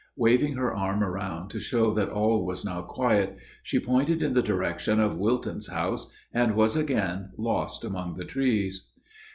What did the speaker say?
Waving her arm around to show that all was now quiet, she pointed in the direction of Wilton's house, and was again lost among the trees.